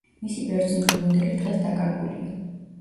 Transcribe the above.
მისი ბერძნული მოდელი დღეს დაკარგულია.